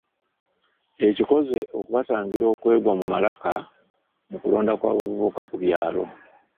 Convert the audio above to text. Ekikoze okubatangira okwegwa mu malaka mu kulonda kw’abavubuka ku byalo.